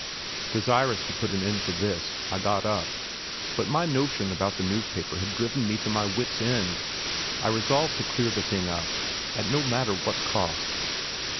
Desirous to put an end to this, I got up. But my notion about the newspaper had driven me to my wit's end; I resolved to clear the thing up, at no matter what cost.